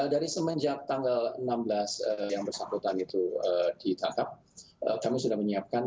dari semenjak tanggal enam belas yang bersangkutan itu ditangkap kami sudah menyiapkan